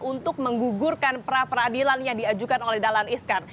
untuk menggugurkan pra peradilan yang diajukan oleh dahlan iskan